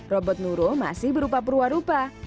robot nuro masih berupa perua rupa